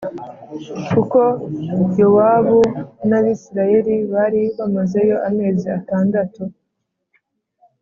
kuko Yowabu n’Abisirayeli bari bamazeyo amezi atandatu